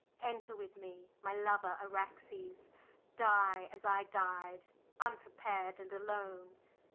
Enter with me, my lover Araxes! die as I died, unprepared and alone!